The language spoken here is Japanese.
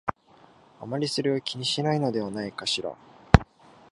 あまりそれを気にしないのではないかしら